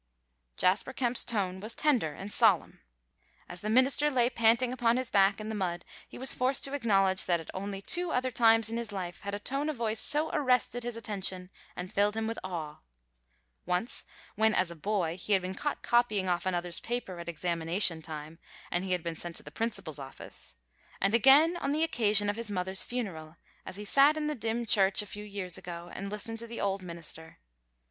Jasper Kemp's tone was tender and solemn. As the minister lay panting upon his back in the mud he was forced to acknowledge that at only two other times in his life had a tone of voice so arrested his attention and filled him with awe; once when as a boy he had been caught copying off another's paper at examination time, and he had been sent to the principal's office; and again on the occasion of his mother's funeral, as he sat in the dim church a few years ago and listened to the old minister.